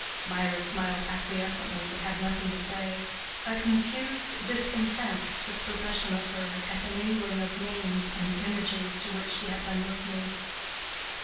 Mirah smiled acquiescently, but had nothing to say. A confused discontent took possession of her at the mingling of names and images to which she had been listening.